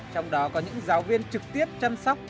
trong đó có những giáo viên trực tiếp chăm sóc